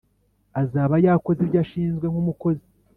azaba yakoze ibyo ashinzwe nkumukozi